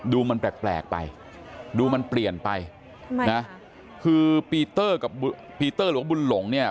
ดูมันแปลกไปดูมันเปลี่ยนไปนะคือปีเตอร์กับปีเตอร์หรือว่าบุญหลงเนี่ย